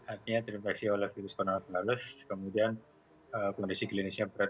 artinya terinfeksi oleh virus corona kemudian kondisi klinisnya berat